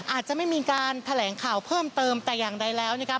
อาจจะไม่มีการแถลงข่าวเพิ่มเติมแต่อย่างใดแล้วนะครับ